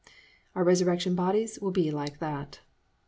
"+ Our resurrection bodies will be like that.